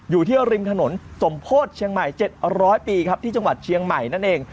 อยู่ที่ริมถนนสมโพธิเชียงใหม่๗๐๐ปีครับที่จังหวัดเชียงใหม่นั่นเอง